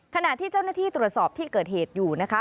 ขณะที่เจ้าหน้าที่ตรวจสอบที่เกิดเหตุอยู่นะคะ